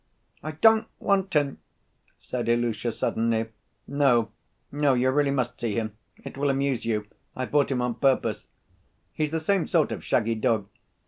"I don't want him!" said Ilusha suddenly. "No, no, you really must see him ... it will amuse you. I brought him on purpose.... He's the same sort of shaggy dog....